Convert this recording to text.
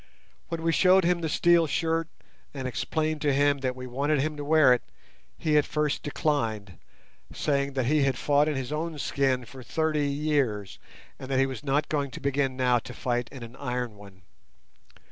When we showed him the steel shirt, and explained to him that we wanted him to wear it, he at first declined, saying that he had fought in his own skin for thirty years, and that he was not going to begin now to fight in an iron one.